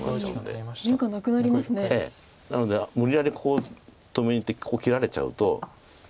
なので無理やりここを止めにいってここ切られちゃうと。